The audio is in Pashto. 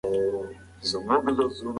د خوب په حالت کې موټر مه چلوئ.